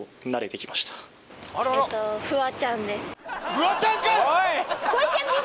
フワちゃんかよ！